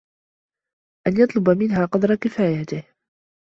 أَنْ يَطْلُبَ مِنْهَا قَدْرَ كِفَايَتِهِ